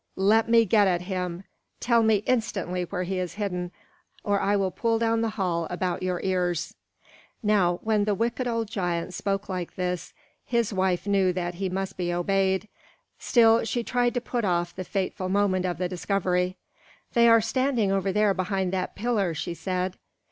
Let me get at him! Tell me instantly where he is hidden, or I will pull down the hall about your ears!" Now when the wicked old giant spoke like this, his wife knew that he must be obeyed. Still she tried to put off the fateful moment of the discovery. "They are standing over there behind that pillar," she said.